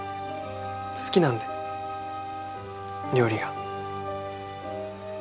好きなんで料理が。